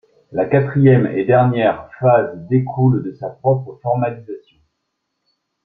La quatrième et dernière phase découle de sa propre formalisation.